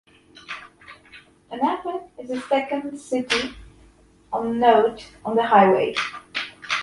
Anapa is the second city of note on the highway.